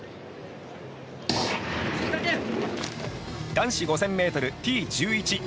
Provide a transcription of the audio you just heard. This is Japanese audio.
男子５０００ｍ、Ｔ１１。